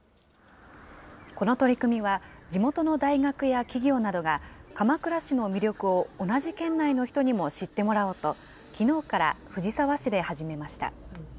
この取り組みは、地元の大学や企業などが鎌倉市の魅力を同じ県内の人にも知ってもらおうと、きのうから藤沢市で始めました。